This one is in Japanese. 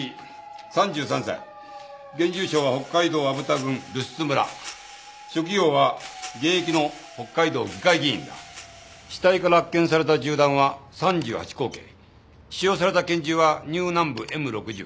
３３歳現住所は北海道虻田郡留寿都村職業は現役の北海道議会議員だ死体から発見された銃弾は３８口径使用された拳銃は「ニューナンブＭ６０」